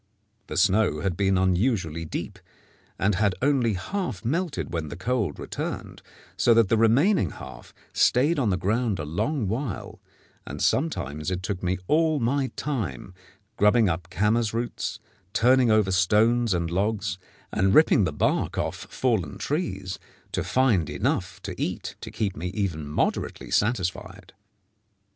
The snow had been unusually deep, and had only half melted when the cold returned, so that the remaining half stayed on the ground a long while, and sometimes it took me all my time, grubbing up camas roots, turning over stones and logs, and ripping the bark off fallen trees, to find enough to eat to keep me even moderately satisfied.